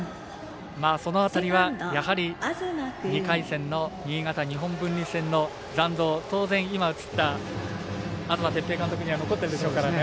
その辺りは２回戦の新潟・日本文理戦の残像当然、東哲平監督には残ってるでしょうからね。